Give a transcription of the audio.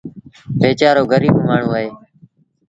ويچآرو گريٚب مآڻهوٚٚݩ اهي۔